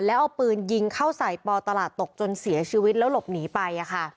แล้วเอาปืนยิงเข้าใส่ปตลาดตกจนเสียชีวิตแล้วหลบหนีไป